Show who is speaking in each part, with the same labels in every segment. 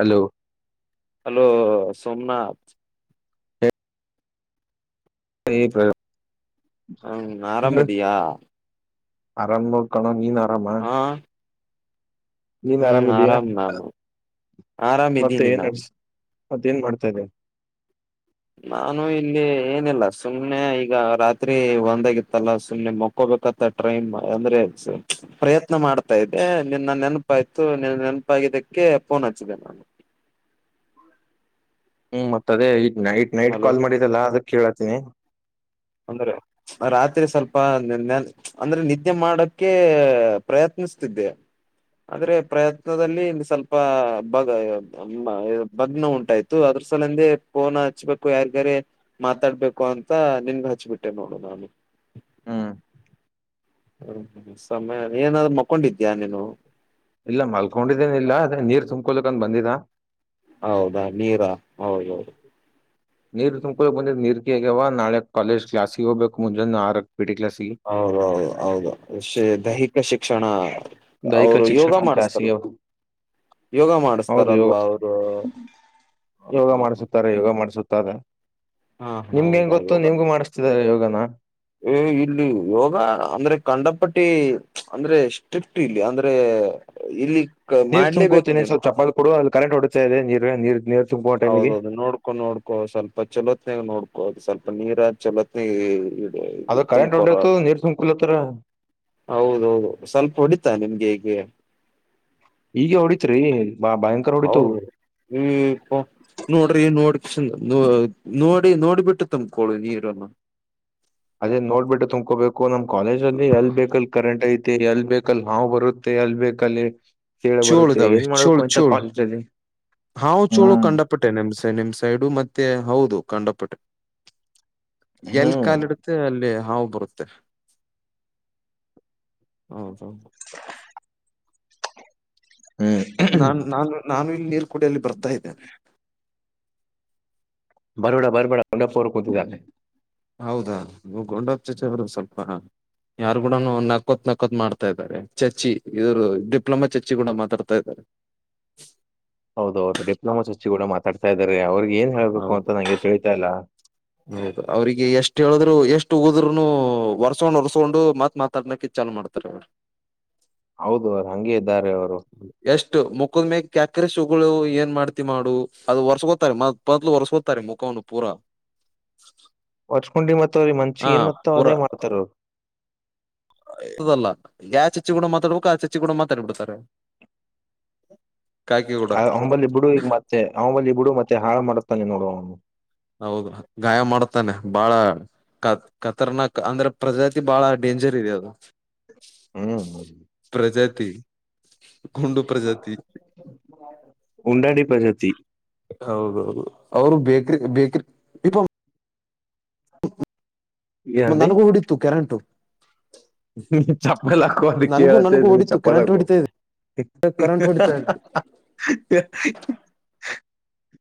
Speaker 1: Hello
Speaker 2: hello Somnath
Speaker 1: ಸ [unintelligible]
Speaker 2: ಹ್ಮ್ ನೀನ್ ಆರಾಮದಿಯಾ.
Speaker 1: ಅರಾಮೋ ಕಣೋ ನೀನು ಆರಾಮ
Speaker 2: ಹಾ
Speaker 1: ನೀನ್
Speaker 2: ಹ್ಮ್
Speaker 1: ಆರಾಮಿದಿಯಾ
Speaker 2: ಆರಾಮ್ ನಾನು
Speaker 1: ಮತ್ತೆ
Speaker 2: ಆರಾಮಿದ್ದೀನಿ
Speaker 1: ಏನ್
Speaker 2: ನಾನು
Speaker 1: ಮತ್ತೆ ಏನ್ ಮಾಡ್ತಾ ಇದ್ದೀಯಾ.
Speaker 2: ನಾನು ಇಲ್ಲಿ ಏನಿಲ್ಲ ಸುಮ್ಮ್ನೆ ಈಗ ರಾತ್ರಿ ಒಂದಾಗಿತ್ತಲ್ಲ ಸುಮ್ಮನೆ ಮಕ್ ಕಲ್ಕತ್ತಾ ಟ್ರೈನ್ ಅಂದ್ರೆ ತ್ ಪ್ರಯತ್ನ ಮಾಡ್ತಾ ಇದ್ದೆ ನಿನ್ ನನ್ನ ನೆನಪಾಯ್ತು ನಿನ್ನ ನೆನಪಾಗಿದ್ದಕ್ಕೆ ಪೋನ್ ಹಚ್ಚಿದೆ ನಾನು
Speaker 1: ಹ್ಮ್ ಮತ್ತೆ ಅದೇ ಈಗ ನೈಟ್ ನೈಟ್
Speaker 2: ಹಲೋ
Speaker 1: ಕಾಲ್ ಮಾಡಿದ್ದಲ್ಲಾ ಅದ ಕೇಳತೀನಿ
Speaker 2: ಅಂದ್ರೆ ರಾತ್ರಿ ಸ್ವಲ್ಪ ನೆನ್ ಅಂದ್ರೆ ನಿದ್ದೆ ಮಾಡಕ್ಕೆ ಪ್ರಯತ್ನಿಸ್ತಿದ್ದೆ. ಆದ್ರೆ ಪ್ರಯತ್ನದಲ್ಲಿ ಇಂದು ಸ್ವಲ್ಪ ಬಾಗ- ಭಗ್ನ ಉಂಟಾಯ್ತು ಅದ್ರ ಸಲ ಎಂದೆ ಪೋನ್ ಹಚ್ಬೇಕು ಯಾರ್ಗಾರೆ ಮಾತಾಡ್ಬೇಕು ಅಂತ ನಿನಗೆ ಹಚ್ಬಿಟ್ಟೆ ನೋಡು ನಾನು
Speaker 1: ಹ್ಮ್
Speaker 2: ಹ್ಮ್ ಹ್ಮ್ ಸಮಯ ಏನಾದ್ರು ಮಕ್ಕೊಂಡಿದ್ಯಾ ನೀನು
Speaker 1: ಇಲ್ಲ ಮಲ್ಕೊಂಡಿದ್ದೇನಿಲ್ಲಲ್ಲ ಅದೆ ನೀರ್ ತುಂಬಕೊಳಕ ಅಂತ ಬಂದಿದ
Speaker 2: ಹೌದಾ ನೀರಾ ಹೌದೌದು
Speaker 1: ನೀರ್ ತುಂಬಕೊಬೇಕ ಬಂದಿ ನೀರ್ ಹಗ್ಯಾವ ನಾಳೆ ಕಾಲೇಜ್ಲಾಸಿಗೆ ಹೋಗ್ಬೇಕ ಮುಂಜಾನೆ ಆರ ಪಿಟಿ ಕ್ಲಾ
Speaker 2: ಹೌದೌದು ಹೌದು ಅ ದೈಹಿಕ ಶಿಕ್ಷಣ
Speaker 1: ದೈಹಿಕ
Speaker 2: ಅವರು ಯೋಗ
Speaker 1: ಶಿಕ್ಷಣ
Speaker 2: ಮಾಡಸ್ಥಾರೆ
Speaker 1: ಕ್ಲಾಸಿಗೆ
Speaker 2: ಯೋಗ
Speaker 1: ಹೌದು ಯೋಗ
Speaker 2: ಮಾಡಿಸತಾರಲ್ವಾ ಅವರು ಹ
Speaker 1: ಯೋಗ
Speaker 2: ಹ
Speaker 1: ಮಾಡ್ಸುತ್ತಾರೆ ಯೋಗ ಮಾಡ್ಸುತ್ತ
Speaker 2: ಹಾ
Speaker 1: ನಿಮ್ಗೆ ಹೆಂಗ
Speaker 2: ಹೌದಾ
Speaker 1: ಗೊತ್ತು
Speaker 2: ಯೋಗ
Speaker 1: ನಿಮ್ಗು ಮಾಡಿಸ್ತಿದ್ದಾರೆ ಯೋಗನ
Speaker 2: ಇಲ್ಲಿ ಯೋಗ ಅಂದ್ರೆ ಕಂಡಪಟ್ಟಿ ಅಂದ್ರೆ ಸ್ಟ್ರಿಕ್ಟ್ ಇಲ್ಲಿ ಅಂದ್ರೆ ಇಲ್ಲಿ ಕ-
Speaker 1: ನೀರ್
Speaker 2: ಮಾಡ್ಲೇಬೇಕು
Speaker 1: ತುಂಬಕೋತೀನ
Speaker 2: ನೀನು
Speaker 1: ಸ್ವಲ್ಪ ಚಪಾ ಕೊಡು ಅದು ಕರೆಂಟ್ ಹೊಡತಾ ಇದೆ ನೀರ್ ನೀರ್ ನೀ
Speaker 2: ಹೌದೌದು ನೋಡ್ಕೊ ನೋಡ್ಕೋ ಸ್ವಲ್ಪ ಚಲೋತ್ನಾಗ ನೋಡ್ಕೋದು ಸ್ವಲ್ಪ ನೀರ ಚಲೋತ್ನ
Speaker 1: ಅದು ಕರೆಂಟ್ ಒಟ್ಟೋಯ್ತು ನೀರ್ ತುಂಕಲಿಟ್ರೆ
Speaker 2: ಹೌದೌದು ಸೊಂಪು ಹೊಡಿತಾ ನಿಮ್ಗೆ ಹಗೆ
Speaker 1: ಹೀಗೆ ಹೊಡೀತಿರೀ ಭ
Speaker 2: ಹೌದು ಈ ನೋಡ್ರಿ ನೋಡ್ ಚಂದ ನೋಡಿ ನೋಡಿ ಬಿಟ್ಟು ತುಮ್ ಕೊಲ್ಲಿ ನೀರನ್ನು
Speaker 1: ಅದೇ ನೋಡ್ಬಿಟ್ಟು ತುಂಬ್ಕೋಬೇಕು ನಮ್
Speaker 2: ಆ,
Speaker 1: ಕಾಲೇಜ್ಲ್ಲಿ ಎಲ್ ಬೇಕಲ್ಲಿ ಕರೆಂಟ್ ಐತಿ ಎಲ್ಲಿ ಬೇಕ ಬಲ್ ನಾವ್ ಬರುತ್ತೆ ಅಲ್ ಬೇಕಲ್ಲಿ- ಕೇಳ
Speaker 2: ಚೋಳು
Speaker 1: ಬರುತ್ತೆ
Speaker 2: ಇದಾವೆ
Speaker 1: ಏನ್
Speaker 2: ಚೋಳು
Speaker 1: ಮಾಡ್ಬೇಕು ಇಂತ
Speaker 2: ಚೋಳು
Speaker 1: ಕಾಲಜಲ್ಲಿ ಹ್ಮ
Speaker 2: ಟ್ಟೆ ನಿಮ್ಸೈ ನಿಮ್ ಸೈಡು ಮತ್ತೆ ಹೌದು ಕಂಡಪಟ್ಟೆ ಎಲ್
Speaker 1: ಹ್ಮ್
Speaker 2: ಕಾಲಡ್ ಮತ್ತೆ ಅಲ್ಲಿ ಹಾವು ಬರುತ್ತೆ ಹ ಹ
Speaker 1: [inaudible]
Speaker 2: ನಾನ್ ನಾನು ನಾನು ಇಲ್ಲಿ ನೀರು ಕೂಡ ಅಲ್ಲಿ ಬರ್ತಾ ಇದ್ದೇನೆ
Speaker 1: ಬರಬೇಡ ಬರ್ಬೇಡ ಒಡಪೋರ್ ಕೂತಿದ್ದಾನೆ
Speaker 2: ಹೌದಾ ನೀ ಗೋಡಪ್ಪ ಚಚೆವರು ಸ್ವಲ್ಪ ಯಾರು ಕೂಡ ನಕ್ಕೋತ್ ನಕ್ಕೋತ್ ಮಾಡ್ತಾ ಇದ್ದಾರೆ ಚರ್ಚಿ ಇವ್ರು ಡಿಪ್ಲೊಮಾ ಚರ್ಚಿ ಕೂಡ ಮಾತಾಡ್ತಾ ಇದ್ದಾರೆ
Speaker 1: ಹೌದು ಹೌದು ಡಿಪ್ಲೊಮಾ ಸಚಿ ಕೂಡ ಮಾತಾಡ್ತಾ ಇದ್ದಾರೆ ಅವ್ರಿ ಏನ್ಳ್ಬೇಕು
Speaker 2: ಹೌದು
Speaker 1: ಅಂತ ನಂಗೆ ತಿಳಿತಾ ಇಲ್ಲ
Speaker 2: ಹೌದು ಅವ್ರಿಗೆ ಎಷ್ಟ್ ಹೇಳಿದ್ರು ಎಷ್ಟು ಉದ್ನು ಒರ್ಸಕೊಂಡ್ ಒರ್ಸ್ಕೊಂಡು ಮತ್ ಮಾತ್ರ ತರ್ಣಕ್ಕೆ ಚನ್ನ ಮಾಡತಾರೆ ಅವರು
Speaker 1: ಹೌದು ಅವರು ಹಂಗೆ ಇದ್ದಾರೆ ಅವರು
Speaker 2: ಎಷ್ಟು ಮುಕ್ಕದ ಮೇಗ್ ಕ್ಯಾಕ್ರ ಸುಗಳು ಏನ್ ಮಾಡ್ತಿ ಮಾಡು ಅದು ವರ್ಸ ಗೊತ್ತಾರೆ ಮ ಪಪ್ಪದಲು ಒರೆಸೋತಾರೆ ಮುಖವನ್ನು ಪೂರ
Speaker 1: ಒರ್ಚ್ಕೊಂಡಿ ಮತ್ ಅವ್ರರಿ ಮಂಚಿ
Speaker 2: ಹಾ
Speaker 1: ಏನತ್ತ ಅದೇ
Speaker 2: ಪೂರಾ
Speaker 1: ಮಾಡ್ತಾರ ಅವರು
Speaker 2: ಇದಲ್ಲ ಯಾ ಚಚ್ಚಿ ಕೂಡ ಮಾತಾಡ್ಬೇಕು ಆ ಚಚ್ಚಿ ಕೂಡ ಮಾತಾಡಿಬಿಡ್ತಾರ [inaudible]
Speaker 1: ಆ ಅವಂಬಲ್ಲಿ ಬಿಡು ಈ ಮತ್ತೆ ಅವಂಬಲ್ಲಿ ಬಿಡು ಮತ್ತೆ ಹಾಳು ಮಾಡುತ್ತಾನೆ ನೋಡು ಅವನು
Speaker 2: ಹ ಗಾಯ ಮಾಡ್ತಾನೆ ಬಾಳ ಕತ್ ಕತರ್ನಾಕ್ ಅಂದ್ರೆ ಪ್ರಜಾತಿ ಬಾಳ ಡೇಂಜರ್ ಇದೆ ಅದು
Speaker 1: ಹ್ಮ್
Speaker 2: ಪ್ರಜಾತಿ ಕುಂಡು ಪ್ರಜಾತಿ
Speaker 1: ಉಂಡಾಡಿ ಪಜಾತಿ
Speaker 2: ಹೌದೌದು ಅವರು ಬೇಕ್ರಿ ಬೇಕ್ರಿ ಇ
Speaker 1: ಏನಂದೆ
Speaker 2: ನನಗು ಹೊಡಿತೂ ಕೆರೆಂಟು
Speaker 1: ಚಪ್ಪಪ್ಪಲ್ಲಾಕೋ ಅದ
Speaker 2: ನನ್ಗೂ
Speaker 1: ಕೇಳವತ
Speaker 2: ನನ್ಗೂ ಹೊಡಿತು
Speaker 1: ಚಪ್ಪಲ್
Speaker 2: ಕರೆಂಟ್
Speaker 1: ಹಾಕೋ
Speaker 2: ಹೊಡಿತಾ ಇದೆ ಕರೆಂಟ್ ಹೊಡಿತಾ ಇದೆ
Speaker 1: ಹಾ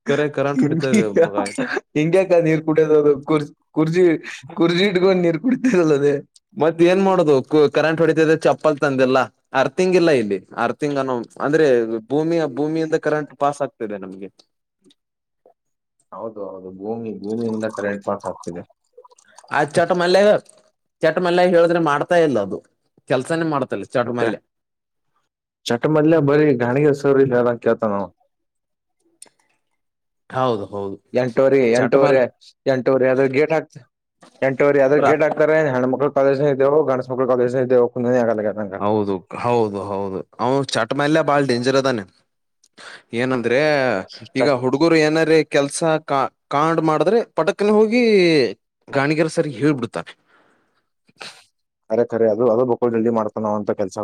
Speaker 2: ಕರೆ ಕರೆಂಟ್ ಹೊಡಿತಾ
Speaker 1: ಸಿಷ್
Speaker 2: ಇದೆ ಮಗ
Speaker 1: [inaudible] ಹಿಂಗಕ ನೀರ್ ಕುಡಿಯದ ಕುರ್ಜಿ ಕುರ್ಜಿ ಕುರ್ಜಿ ಇಡ್ಕೊಂಡು ನೀರ್ ಕುಡತದಲ್ಲ ಅದೇ.
Speaker 2: ಮತ್ತ ಏನ್ ಮಾಡೋುದು ಕರೆಂಟ್ ಹೊಡಿತದ ಚಪ್ಪಲ್ ತಂದೆಲ್ಲ. ಅರ್ಥಿಂಗ್ ಇಲ್ಲ ಇಲ್ಲಿ ಅರ್ಥಿಂಗ್ ಅನ್ನೋ ಅಂದ್ರೆ ಭೂಮಿಯ ಭೂಮಿಯಿಂದ ಕರೆಂಟ್ ಪಾಸ್ ಆಗ್ತದೆ. ನಮ್ಗೆ.
Speaker 1: ಹೌದು ಹೌದು ಭೂಮಿ ಭೂಮಿಯಿಂದ ಕೈಟ್ ಪಾಸ್ ಆಗ್ತಿದೆ.
Speaker 2: ಆ ಚಟ ಮಲ್ಯಾಗ ಚಟ ಮಲ್ಯಾಗ ಹೇಳಿದ್ರೆ ಮಾಡ್ತಾ ಇಲ್ಲ ಅದು ಕೆಲ್ಸನೇ ಮಾಡ್ತಲ್ಲ. ಚಟ ಮಲ್ಯ
Speaker 1: ಮತ್ತೆ ಚಟ ಮದಲೆ ಬರಿ ಗಾಾಣಿಗೆ ಸರಿರ ಕತನಾ.
Speaker 2: ಹೌದು ಹೌ.
Speaker 1: ಎಂಟೂವರಿ ಎಂಟವರಿ ಎಂಟೂವರಿ ಅದ್ರ ಗೇಟ್ ಹಾಕ್ತ ಎಂಟೂರಿ ಅದ್ರ ಗೇಟ್ ಹಾಕ್. ಹೆಣ್ಣ್ಮಕ್ಕು ಕಾಲೇಜನದೆ ಗಣಸುಕ್ಕ ಕಾಲಜ ಇದದೆವು ಕುಲನೆ ಆಗೋಲ್ದಗ್ಯದ.
Speaker 2: ಹೌದು ಹೌದು ಹೌದು ಅವನು ಚಟ್ ಮಲ್ಯ ಬಾಳ ಡೇಂಜರ್ ಅದಾನೆ. ಏನಂದ್ರೆ ಈಗ ಹುಡು. ಹಗರು ಏನಾರ ಕೆಲ್ಸ ಕಾ ಕಾಂಡ್ ಮಾಡಿದ್ರೆ ಪಟಕ್ನ ಹೋಗಿ. ಗಾಣಿಗರ ಸರಿ ಹೇಳ್ಬಿಡ್ತಾರೆ.
Speaker 1: ಅರೆಖರೆ ಅದು ಅದ ಬಕ್ಕೋಲ್ಲ್ಲಿ ಮಾಡ್ತಾನ ಅಂತ ಕೆಲಸ.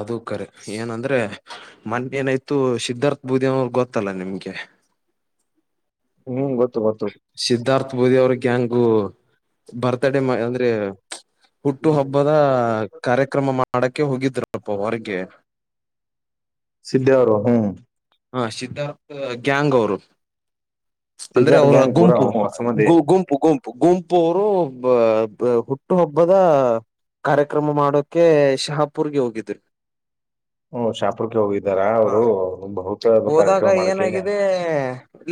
Speaker 2: ಅದು ಕರೆ ಏನಂದ್ರೆ. ಮೊೆ ಏನಾಯ್ತು ಸಿದ್ಧಾರ್ಥ ಬೂದಿ ಅವ್ರ ಗೊತ್ತಲ್ಲಾ ನಿಮ್ಗೆ.
Speaker 1: ನಿಮ್ ಗೊತ್ತು ಗೊತ.
Speaker 2: ಸಿದ್ಧಾರ್ಥ ಬೋದಿ ಅವ್ರಿಗೆ ಗ್ಯಾಂಗು ಬರ್ತಡೇ ಅಂದ್ರೆ. ಹುಟ್ಟು ಹಬ್ಬದ ಕಾರ್ಯಕ್ರಮ ಮಾಡಕ್ಕೆ ಹೋಗಿದ್ರಪ್ಪ ಹೊರಗೆ.
Speaker 1: ಸಿದ್ದ ಅವರು ಹ್ಮ.
Speaker 2: ಹಾ ಸಿದ್ಧಾರ್ಥ್ ಗ್ಯಾಂಗ್ ಅವರು. ಅಂದ್ರೆ
Speaker 1: ಸಿದ್ದಾರ್
Speaker 2: ಅವರ
Speaker 1: ಗ್ಯಾಂಗ್ ಪೂರ
Speaker 2: ಗುಂಪು
Speaker 1: ಹೊಸಮದಿ
Speaker 2: ಗುಂ. ಗುಂಪು ಗುಂಪು ಅವರು ಹುಟ್ಟುಹಬ್ಬದ. ಕಾರ್ಯಕ್ರಮ ಮಾಡೋಕೆ ಶಹಾಪುರ್ಗೆ ಹೋಗಿದ್್ರಿ.
Speaker 1: ಹ್ಮ ಶಾಪುರ್ಕ್ಕೆ ಹೋಗಿದ್ದಾರ
Speaker 2: ಹಾ
Speaker 1: ಅವರು ಬಹ.
Speaker 2: ಹೋದಾಗ ಏನಾಗಿದೆ.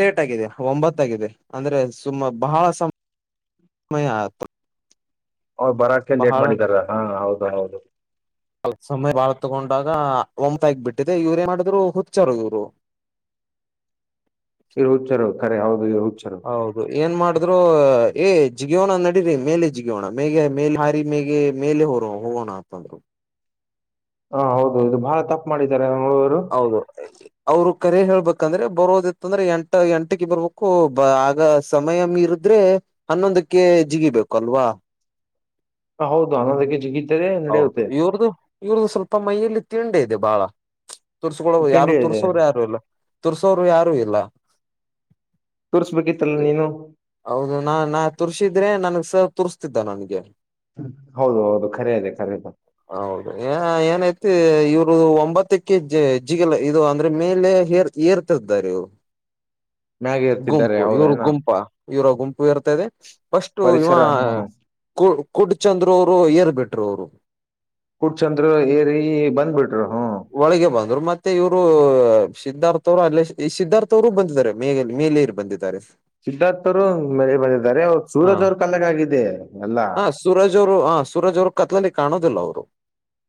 Speaker 2: ಲೇಟ್ ಆಗಿದೆ ಒಂಬತ್ತಾಗಿದೆ ಅಂದ್ರೆ ಸುಮ್ಮ ಬಹಳ ಸಮ ಸಮಯ.
Speaker 1: ಅವ್ರು ಬರಕ್ಕೆ ಲೇಟ್
Speaker 2: ಬಹಳ
Speaker 1: ಮಾಡಿದಾರ ಹಾ ಹೌದು ಹೌದು.
Speaker 2: ಅಲ್ಪ ಸಮಯ ಬಾಳ ತಗೊಂಡಾಗ ಒಂ್ಾಯಗ ಬಿಟ್ಟಿದೆ ಇವ್್ರೇಏ ಮಾಡಿದ್ರು ಹುಚ್ಚಾರ ಇವ್ರು.
Speaker 1: ಇರ್ ಹು್ರು ಕರೆ ಹೌದು ಇ ಹುಚರು.
Speaker 2: ಹೌದು ಏನ್ ಮಾಡ್ರು ಏ ಜಿಗಿಯೋಣ ನಡರಿ ಮೇಲೆ ಜಿಗಿಯೋಣ ಮೇಗೆ ಮೇ ಹಾರಿ ಮೇಗೆ. ಮೇಲೆ ಹೊರ ಹೋಗೋಣ ಅಂತಂದ್ರು.
Speaker 1: ಹ ಹೌದೌದು ಬಹಳ ತಪ್ಪ ಮಾಡಿದ್ದಾರೆ ಆವ್.
Speaker 2: ಹೌದು. ಅವರು ಕರೆ ಹೇಳ್ಬೇಕಂದ್ರೆ ಬರೋದಿತ್ತ ಅಂದ್ರೆ ಎಂಟ ಎಂಟಕ ಬರ್ಬೇಕು ಬ ಆಗ ಸಮಯ ಮೀ. ಆದ್ರೆ ಹನ್ನೊಂದಕ್ಕೆ ಜಿಗಿಬೇಕೇಕು ಅಲ್ವಾ.
Speaker 1: ಹ ಹೌದು ಅನ್ನೋದಕ್ಕೆ ಜಿಗ.
Speaker 2: ಹೌದು ಇವ್ರ್ದು ಇವ್ರ್ದು ಸ್ವಲ್ಪ ಮೈಯಲ್ಲಿ ತಿಂಡಿ ಇದೆ ಬಾಳ. ತುರ್ಸಕರು ಯಾರು
Speaker 1: ತಿಂಡಿ ಇದೆ
Speaker 2: ತುರ್ಸೋರು ಯಾರು ಇಲ್ಲ ತುರ್ಸೋರು ಯಾರು ಇಲ್ಲ.
Speaker 1: ತೋರ್ಸ್್ಬೇಕಿತ್ತಲ್ಲ ನೀನು.
Speaker 2: ಹೌದು ನಾ ನಾ ತುರ್ಸಿದ್ರೆ ನನ್ಸ ತುರಿಸ್ತಿದ್ದ ನನ್ಗೆ.
Speaker 1: ಹೌದು ಹೌದು ಕರೆಯಾದ ಕರೆ ಯಾದೆ.
Speaker 2: ಹೌದು ಏನಐತಿ ಇವರು ಒಂಬತ್ತಕ್ಕೆ ಜ ಜಿಗಲ ಇದು ಅಂದ್ರೆ ಮೇಲೆ. ಏರ್ತಾರೆ
Speaker 1: ಮ್ಯಾಗೆ ಇರ್ತಿದ್ದಾರೆ
Speaker 2: ಗುಂಪು ಇವ್ರ
Speaker 1: ಹೌದೇನೋ
Speaker 2: ಗುಂಪಾ. ಇವರ ಗುಂಪು ಇರ್ತದೆ ಪಸ್ಟು ಇಂವ.
Speaker 1: ಪರಿಸರ ಹ್ಮ
Speaker 2: ಕು ಕುಡ್ ಚಂದ್ರು ಅವ್ರು ಏರ್ ಬಿಟ್ರು ಅವ್ರು.
Speaker 1: ಕುಡ್ ಚಂದ್ರು ಏರಿ ಬಂದ್ಬಿಟ್ರು ಹು.
Speaker 2: ಒಳಗೆ ಬಂದ್ರು ಮತ್ತೆ ಇವ್ರು ಸಿದ್ಧಾರ್ಥ ಅವ್ರು ಅಲ್ಲೇ ಸಿ ಈ ಸಿದ್ಧಾರ್ಥ ಅವ್ರು ಬಂದಿದ್ದಾರೆ ಮೇ ಮೇಲೇರ್ ಬಂದಿದ. ತಾರಿಸ್.
Speaker 1: ಸಿದ್ಧಾರ್ಥರು ಮೇ ಬಂದಿದ್ದಾರೆ ಅವ್ರ ಸೂರಜ್ ಅವ್ರು ಕಾಲಾಗಾಗಿದೆ ಎಲ್ಲಾ.
Speaker 2: ಹ ಸೂರಜ್ ಅವ್ರ. ಹ ಸೂರಜ್ ಅವ್ರು ಕತ್ಲಲ್ಲಿ ಕಾಣೋದಿಲ್ಲ ಅವ್ರು.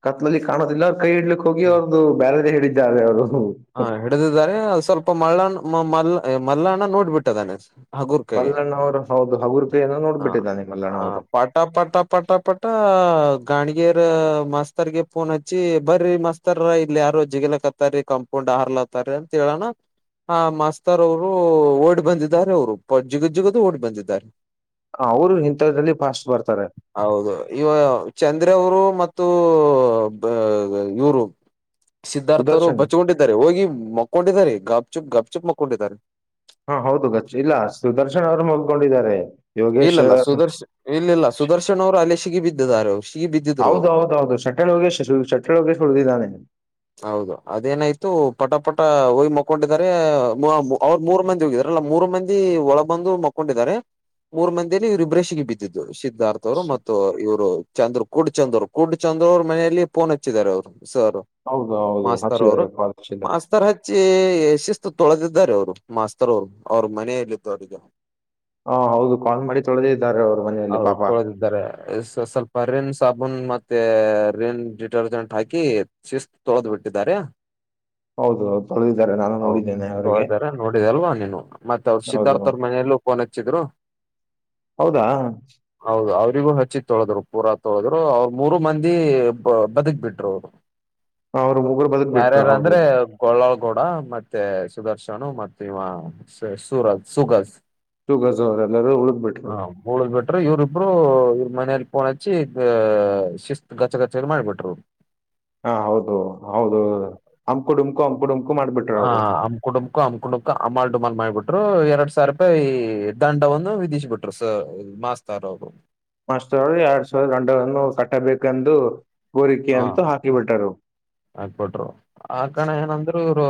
Speaker 1: ಕತ್ಲಲ್ಲಿ ಕಾಣೋದಿಲ್ಲ ಕೈ ಹಿಡ್ಲಿಕ್ ಹೋಗಿ ಅವ್ರ್ದು ಬ್ಯರೆದೇ ಹಿಡಿದ್ದಾರೆ ಅವ್ರು.
Speaker 2: ಹ ಹಿಡಿದಿದ್ದಾರೆ ಸ್ವಲ್ಪ ಮಲ್ಲಣ ಮಲ್ಲ ಮಲ್ಲಣ್ಣ ನೋಡ್ಬಿಟ್ಟದಾನೆ ಹಾಗು ಕೈಗೆ
Speaker 1: ಮಲ್ಲಣ್ಣ ಅವರು ಹೌದು ಹಗುರ್ ಕೈಯನ್ನು
Speaker 2: ಹ
Speaker 1: ನೋಡ್ಬಿಟ್ಟಿದ್ದಾನೆ
Speaker 2: ಹ
Speaker 1: ಮಲ್ಲಣ್ಣ ಅವರು
Speaker 2: ಪಾಟ ಪಾಟ ಪಾಟ ಪಟ್. ತ್ತ ಗಾಣಗೇರ ಮಾಸ್ತರ್ ಗೆ ಫೋನ್ ಹಚ್ಚಿ ಬರ್ರೀ ಮಾಸ್ತರ್ ಇಲ್ಲಿ ಯಾರೋ ಜಿಗಲ್ಯ ಕತ್. ತರಿ ಕಾಂಪೌಂಡ್ ಹಾರಲತಾರ್ ಅಂತ ಹೇಳಣ. ಆ ಮಾಸ್ತರ್ ಅವ್ರು ಓಡ್ ಬಂದಿದ್ದಾರೆ ಅವ್ರು ಪ ಜಿಗಜ್ಜಿಗದು ಓಡ್ ಬಂದಿದ್ದಾರೆ.
Speaker 1: ಹ ಅವ್ರು ಇಂತದ್ರಲ್ಲಿ ಫಾಸ್ಟ್ ಬರ್ತಾರೆ.
Speaker 2: ಹೌದು ಇವ. ಚಂದ್ರವರು ಮತ್ತು ಬ ಇವ್ರು. ಸಿದ್ಧಾರ್ಥ ಅವ್ರು
Speaker 1: ಸುದರ್ಶನ್
Speaker 2: ಬಚ್ಕೊಂಡಿದ್ದಾರೆ ಹೋಗಿ ಮಕ್ಕೊಂಡಿದ್ದಾರೆ ಗಪ್ ಚುಪ್ ಗಪ್ಚುಪ್ ಮಕ್ಕೊಂಡಿದ್ದಾರೆ.
Speaker 1: ಹಾ ಹೌದು ಗಚ್ ಇಲ್ಲ ಸುದರ್ಶನ್ ಅವ್ರು ಮಕ್ಕೊಂಡಿದ್ದಾರೆ.
Speaker 2: ಇಲ್ಲಲ್ಲ ಸುದರ್ಶನ್ ಇಲ್ಲಿಲ್ಲ ಸುದರ್ಶನ್ ಅವ್ರು ಅಲ್ಲೇ ಸಿಗಿ ಬಿದ್ದಿದ್ದಾರೆ ಅವ್ರು ಸಿಗಿ ಬಿದ್ದಿದ್ರು
Speaker 1: ಹೌದು
Speaker 2: ಅವ್ರು.
Speaker 1: ಹೌದು [unintelligible] ಹೇಳ್ ಹೋಗಿ [unintelligible] ಉಳದಿದಾನೆ.
Speaker 2: ಹೌದು ಅದೇನಾಯ್ತು ಪಟ ಪಟ ಹೋಗಿ ಮಕೊಂಡಿದಿದ್ದಾರೆ ಮ ಅವ್ರು ಮೂರ್ ಮಂದಿ ಹೋಗಿದಾರಲ್ಲ ಮೂರು ಮಂದಿ. ದಿ ಒಳ ಬಂದು ಮಕ್ಕೊಂಡಿದ್ದಾರೆ ಮೂರ್ ಮಂದಿಯಲ್ಲಿ ಇವ್ರ ಇಬ್ಬ್ರೇ ಸಿಗಿ ಬಿದ್ದಿದ್ದು ಸಿದ್ಧಾರ್ಥ. ತೌರು ಮತ್ತೊ ಅ ಇವ್ರು ಚಂದ್ರು ಕೂಡ್ ಚಂದ್ರು ಕೂರ್ಡ್ ಚಂದ್ರ್ ಅವ್ರ ಮನೆಯಲ್ಲಿ ಫೋನ್ ಹಚ್ಚಿದ್ದಾರೆ ಅವ್ರು ಸರ್.
Speaker 1: ಹೌದ ಹೌದು ಹಚ್ಚಿದ್ದಾರೆ ಪಾ ಹಚ್ಚಿದ್ದಾರೆ.
Speaker 2: ತರ ಹಚ್ಚಿ ಶಿಸ್ತು ತೊಳೆದಿದ್ದಾರೆ ಅವ್ರು ಮಾಸ್ತರ್ ಅವ್ರು ಅವ್ರ ಮನೆಯಲ್ಲಿದ್ದೋರಿಗ್.
Speaker 1: ಹಾ ಹೌದು ಕಾಲ್ ಮಾಡಿ ತೊಳಿದಿದ್ದಾರೆ ಅವ್ರು.
Speaker 2: ಹೌದು ತೋಳಿ ದಾರೆ ಇದ ಸ್ವಲ್ಪ ರಿನ್ ಸಾಬೂನ್ ಮತ್ತೆ ರಿನ್ ಡಿಟರ್ಜೆಂಟ್ ಹಾಕಿ ಶಿಸ್ತ ತೋಳದಬಿಟ್ಟಿದಾರೆ.
Speaker 1: ಹೌದು ಹೌದು, ತೊಳೆದಿದ್ದಾರೆ ನಾನು
Speaker 2: ಹೌದು
Speaker 1: ನೋಡಿದ್ದೇನೆ ಅವರಿಗೆ
Speaker 2: ತೊಳದಾರೆ ನೋಡಿದಲ್ವಾ ನೀನು ಮತ್ತ ಅವ್ರ
Speaker 1: ಹೌದು
Speaker 2: ಸಿದ್ಧಾರ್ಥ
Speaker 1: ಹೌದು.
Speaker 2: ಅವ್ರ ಮನೆಯಲ್ಲೂ ಫೋನ್ ಹಚ್ಚಿದ್ರು.
Speaker 1: ಹೌದಾ.
Speaker 2: ಹೌದು ಅವ್ರಿಗೂ ಹಚ್ಚಿ ತೊಳದ್ರು ಪೂರಾ ತೊಳದ್ರು ಅವ್ರ ಮೂರು ಮಂದಿ ಬ ಬದುಕ್ ಬಿಟ್ರು ಅವ್ರು.
Speaker 1: ಅವ್ರರು ಮುಗೊರು ಬದುಕ್ ಬಿಟ್ರು ಹೌದು.
Speaker 2: ಕೊಳ್ಳಳ್ಗೌಡ ಮತ್ತೆ ಸುದರ್ಶನು ಮತ್ತ ಇವ ಸೂರಜ ಸುಗಜ.
Speaker 1: ಸುಗಜ್ ಅವ್ರ ಎಲ್ಲಾರೂ ಉಳದ ಬಿಟ್ರು.
Speaker 2: ಉಳದ ಬಿಟ್ರು ಇವ್ರ ಇಬ್ರು ಇವ್ರ ಮನೇಲ ಪೋನ್ ಹಚ್ಚಿ ಇದ್ದ ಶಿಸ್ತ್ ಗಚ್ಚಗಚ್ಚ ಮಾಡಿಬಿಟ್ರು.
Speaker 1: ಹ ಹೌದು ಹೌದು ಅಂಕು ಡುಮ್ಕು ಅಂಕುಡುಮಕು.
Speaker 2: ಹಾ ಕುಟಂಬಕ ಅಮ್ ಕುಂಡುಕ ಅಮಾಲ್ ಡಮಾಲ್ ಮಾಡಿಬಿಟ್ರು ಎರಡ್ ಸಾವ್ರ ರೂಪಾಯಿ ಈ ದಂಡವನ್ನು ವಿಧಿಸಿ ಬಿಟ್ರು ಸ ಮಾಸ್ತಾರ ಅವ್ರು.
Speaker 1: ಮಾಸ್ಟರ್ರು ಎರಡ್ ಸಾವಿರ ದಂಡವನ್ನು ಕಟ್ಟಬೇಕಂದು ಕೋರಿಕೆ ಅಂತೂ ಹಾಕಿಬಿಟ್ಟರು.
Speaker 2: ಹಾಕ್ಬಟ್ರು. ಆ ಕಣ ಏನಂದ್ರು ಇವ್ರು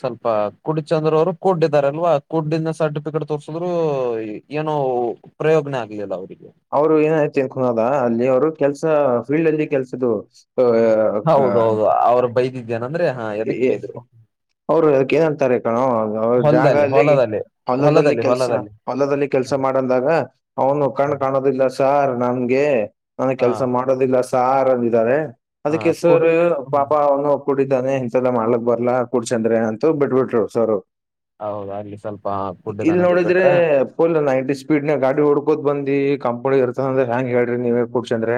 Speaker 2: ಸ್ವಲ್ಪ ಕುಡಿಚಂದ್ರ ಅವರು ಕೂಡ್ಡಿದಾರಲ್ವಾ. ಕುಡ್ಿಂದ ಸರ್ಟಿಫಿಕೇಟ್ ತೋರ್ಸಿದ್ರು ಏನೋ ಪ್ರಯೋಗನ ಆಗಿದಿಲ್ಲ ಅವರಿಗೆ.
Speaker 1: ಅವರು ಏನಾಯತಿ ಕುನೋದ ಅಲ್ಲಿ ಅವರು ಕೆಲ್ಸ ಫೀಲ್ಡ್ ಅಲ್ಲಿ ಕೆಲ್ಸದು ಆ.
Speaker 2: ಹೌದೌದು ಅವ್ರರು ಬೈದಿದ್ಯನ ಅಂದ್ರೆ ಹ ಎದಕ್ ಬೈದ್ರು.
Speaker 1: ಅವ್ರು ಅಕ್ ಏನಂತಾರೆ ಕಣೋ ಅವ್ರ
Speaker 2: ಹೊಲದಲ್ಲಿ
Speaker 1: ಜಾಗಲ್ಲಿ
Speaker 2: ಹೊಲದಲ್ಲಿ
Speaker 1: ಹೊಲದಲ್ಲಿ ಕೆಲ್ಸ.
Speaker 2: ಹೊಲದಲ್ಲಿ
Speaker 1: ಹೊಲ್ಲದಲ್ಲಿ
Speaker 2: ಹ
Speaker 1: ಕೆಲಸ ಮಾಡಂದಾಗ ಅವನು ಕಣು ಕಾಣೋದಿಲ್ಲ ಸಾರ್ ನನ್ಗೆ ನನ
Speaker 2: ಹ
Speaker 1: ಕೆಲಸ ಮಾಡೋದಿಲ್ಲ. ಸಾರ್ ಅಂದಿದ್ದಾರೆ
Speaker 2: ಹ
Speaker 1: ಅದಕ್ಕೆ
Speaker 2: ಕುಡ್
Speaker 1: ಸರ್
Speaker 2: ಹ್ಮ್.
Speaker 1: ಪಾಪ ಅವ್ನು. ಕುೂಡಿದ್ದಾನೆ ಇಂತೆಲ್ಲ ಮಾಡ್ಲಕ್ ಬರ್ಲಾ ಕುೂಡ್ ಚಂದ್ರೆ ಅಂತೂ ಬಿಟ್ಬಿಟ್ರು ಸರು.
Speaker 2: ಹೌದ್ ಅಲ್ಲಿ ಸ್ವಲ್ಪ ಕೂಡ್ ಇದನಾಗ ಅಂತ್ ಬಿಟ್ರೆ.
Speaker 1: ಹ ನೈಂಟಿ ಸ್ಪೀಡ್ ನ ಗಾಡಿ ಹೊುಡ್ಕೋದ ಬಂದಿ ಕಂಪನಿ ಇರ್ತದೆ ಅ್ರ ಹೆಂಗ ಹೇಳಿ ನೀವ ಕ ಕುಡ್ಸಂದ್ರೆ.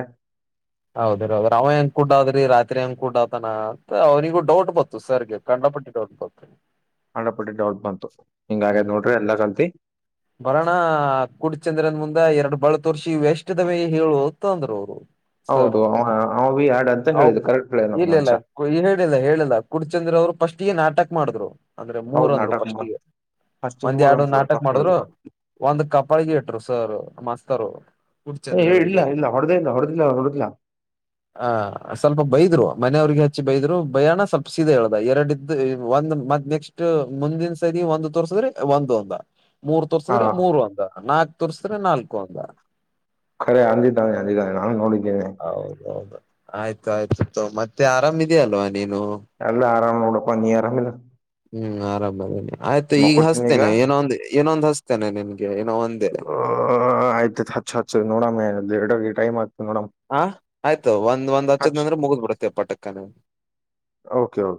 Speaker 2: ಹೌದ ಹೌದ್ರ ಅವೆ ಹೆಂಗ ಕುೂಡ್ ಅದ್ರಿ ರಾತ್ರಿ ಹಂಗ ಕುೂಡ್ತಾನ ಅಂತ ಅವನಿಗೂ ಡೌಟ್ ಬತ್ತು ಸರ್ಗೆ. ಕಂಡಪಟ್ಟಿಟ್ಟ ಒಂ.
Speaker 1: ಹಂಡ್ರೆಡ್ ಪರ್ಸೆಟ್ ಡೌಟ್ ಬಂತು ಹಿಂಗ ಆಗ ನೋ್ರ ಎಲ್ಲ ಕಲ್ತಿ.
Speaker 2: ಹ ಬರೋಣ ಗುಡ್ ಚಂದ್ರದ ಮುಂದೆ ಎರಡ್ ಬಳತ್ ವರ್ಷಿ ಎಷ್ಟದ ಮ ಹೇಳುವ ತಂದ್ರ ಅವ್ರು. ಸರ್
Speaker 1: ಹೌದು ಅವ ಬಿ ಆಡ್ ಅಂತ
Speaker 2: ಅವ
Speaker 1: ಹೇಳಿದ್ದು ಕರೆಕ್ಟ್ ಪ್ಲೇನ್ ಅವ್
Speaker 2: ಇಲ್ಲ
Speaker 1: ಮ.
Speaker 2: ಇಲ್ಲ ಹೇಳಿಲ್ಲ ಹೇಳಿಲ್ಲ ಕುಡ್ಚಂದ್ರ ಅವ್ರು ಫಸ್ಟ್ಗ ನಾಟಕ ಮಾಡಿದ್ರು ಅಂದ್ರೆ ಮೂರ್
Speaker 1: ಹೌದ್
Speaker 2: ಅಂದ್ರು
Speaker 1: ನಾಟಕ ಮಾಡ
Speaker 2: ಫಸ್ಟ್ಿಗೆ.
Speaker 1: ಫಸ್ಟ್
Speaker 2: ಒಂದ್
Speaker 1: ಮೂರ್
Speaker 2: ಎರಡು
Speaker 1: ಅಂತ
Speaker 2: ನಾಟಕ
Speaker 1: ತಪ್ಪ
Speaker 2: ಮಾಡಿದ್ರು
Speaker 1: ಹೇಳಿದ್ರು
Speaker 2: ಒಂದ್ ಕಪಳಗಿ ಇಟ್ರು ಸರ್ ಮಸ್ತರು.
Speaker 1: ಹೇಳ ಇಲ್ಲ ಹೊಡೆದೇ ಇಲ್ಲ ಹೊಡೆದಿಲ್ಲ ಅವ ಹೊಡೆದಿಲ್ಲ.
Speaker 2: ಹ ಸ್ವಲ್ಪ ಬೈದ್ರು ಮನೆಯವ್ರಿಗೆ ಹಚ್ಚಿ ಬೈದ್ರು ಬಯಾಣ ಸ್ವಪ ಸೀದಾ ಹೇಳ್ದ ಎರಡ್. ಒಂದ್ ಮ ನೆಕ್ಸ್ಟ್ ಮುಂದಿನ ಸರಿ ಒಂದು. ತೋರ್ಸಿದ್ರೆ ಒಂದ ಒಂದ ಮೂರ್
Speaker 1: ಹಾ
Speaker 2: ತೋರ್ಸಿದ್ರೆ ಮೂರ್ ಒಂದ ನಾಲ್ಕು ತೋರ್ಸ್ರೆ ನಾಲ್ಕು ಒಂದ.
Speaker 1: ರೆ ಅಂದಿದ್ದಾನೆ ಅಂದಿದ್ದಾನೆ ನಾನು ನೋಡಿದ್ದೇನೆ.
Speaker 2: ಹೌದೌದು ಆಯ್ತು ಆಯ್ತು ಮತ್ತೆ ಆರಾಮಿದೆಯಲ್ವಾ ನೀನು.
Speaker 1: ಎಲ್ಲ ಆರಾಮಡ ಪ ನೀಿ ಆರಾಮಿಲ್ಲ.
Speaker 2: ಹ್ಮ್ ಆರಾಮದೇನೆ ಆಯ್ತು ಈಗ ಹಸ್ತೇನೆ ಏನೋಂದು ಏನೊಂದ್ ಹಸ್ತೇನೆ ನಿನ್ಗೆ ಏನೋ ಒಂದ.
Speaker 1: ಆ ಆಯ್ತತ್ ಹಚ್ ಹಚ್ಚ ನೋಡಮ ಎರಡ ಟೈಮ್ ಆಗ್ತ ನೋಡಮ್.
Speaker 2: ಹ ಆಯ್ತು ಒಂದ್ ಒಂದ್ ಹಚ್ಚದ್
Speaker 1: ಹಚ್
Speaker 2: ಅಂದ್ರೆ ಮುಗ್ದ್ ಬಿಡ್ತ್ತೆ ಪಾಕ್ಕನ.
Speaker 1: Okay okay.